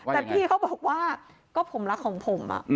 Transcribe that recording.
แต่พี่เขาบอกว่าก็ผมรักของผม